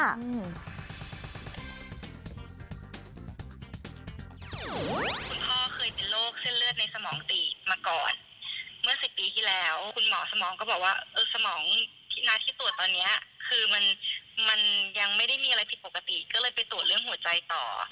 คุณพ่อเคยเป็นโรคเส้นเลือดในสมองตีบมาก่อนเมื่อ๑๐ปีที่แล้วคุณหมอสมองก็บอกว่าเออสมองที่หน้าที่ตรวจตอนนี้คือมันยังไม่ได้มีอะไรผิดปกติก็เลยไปตรวจเรื่องหัวใจต่อ